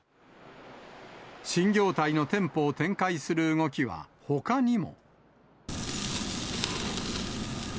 新業態の店舗を展開する動きはほかにも。